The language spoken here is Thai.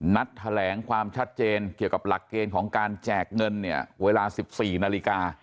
นัดแถลงความชัดเจนเกี่ยวกับหลักเกณฑ์ของการแจกเงินเนี่ยเวลา๑๔นาฬิกา